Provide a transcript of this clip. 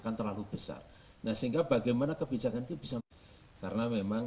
nah sehingga bagaimana kebijakan itu bisa